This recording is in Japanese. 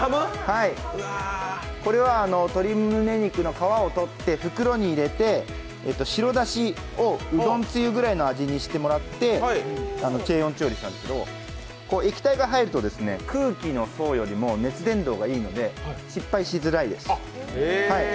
これは鶏むね肉の皮をとって袋に入れて白だしを、うどんというくらいの味にしてもらって低温調理したんですけど液体が入ると空気の層よりも熱伝導がいいので失敗しづらいです。